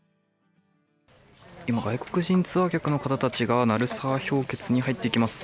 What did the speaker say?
外国人ツアー客の方たちが鳴沢氷穴に入っていきます。